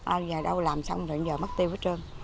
à giờ đâu làm xong rồi giờ mất tiêu hết trơn